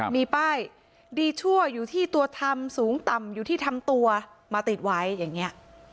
มีป้ายดีชั่วอยู่ที่ตัวทำสูงต่ำอยู่ที่ทำตัวมาติดไว้อย่างนี้